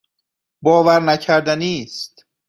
باورنکردنی است.